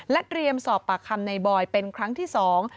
เตรียมสอบปากคำในบอยเป็นครั้งที่สอง